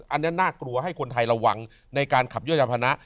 อันนี้น่ากลัวให้คนไทยระวังในการขับย่อยยามพนะ